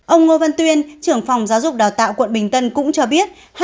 ông ngô văn tuyên trưởng phòng giáo dục đào tạo quận bình tân cũng cho biết